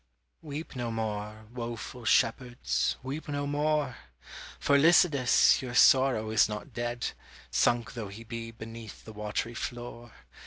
Weep no more, woful shepherds, weep no more! For Lycidas your sorrow is not dead, Sunk though he be beneath the watery floor.